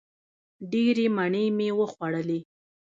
ډېرې مڼې مې وخوړلې!